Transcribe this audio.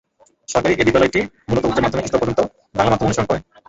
সরকারি এ বিদ্যালয়টি মূলত উচ্চ মাধ্যমিক স্তর পর্যন্ত বাংলা মাধ্যম অনুসরণ করে।